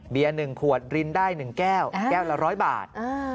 ๑ขวดรินได้๑แก้วแก้วละ๑๐๐บาท